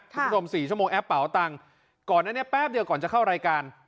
คุณผู้ชม๔ชั่วโมงแอปเป๋าตังค์ก่อนนั้นเนี่ยแป๊บเดียวก่อนจะเข้ารายการ